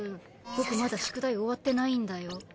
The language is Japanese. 僕まだ宿題終わってないんだよ？